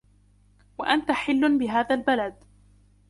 وأنت حل بهذا البلد